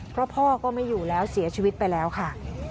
เพราะพ่อก็ไม่อยู่แล้วเสียชีวิตไปแล้วค่ะ